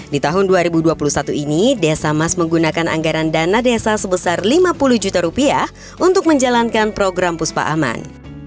di tahun dua ribu dua puluh satu ini desa mas menggunakan anggaran dana desa sebesar lima puluh juta rupiah untuk menjalankan program puspa aman